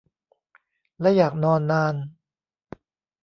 และอยากนอนนาน